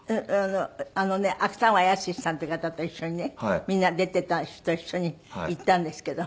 あのね芥川也寸志さんっていう方と一緒にねみんな出ていた人と一緒に行ったんですけど。